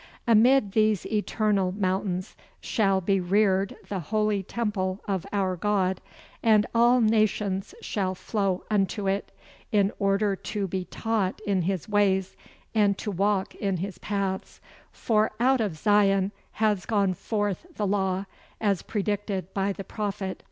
Amid these eternal mountains shall be reared the holy temple of our God, and all nations shall flow unto it, in order to be taught in His ways, and to walk in His paths, for out of Zion has gone forth the law, as predicted by the Prophet Isaiah.